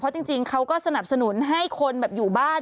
จริงเขาก็สนับสนุนให้คนอยู่บ้าน